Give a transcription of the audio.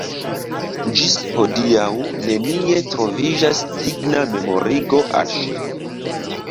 Ĝis hodiaŭ nenie troviĝas digna memorigo al ŝi.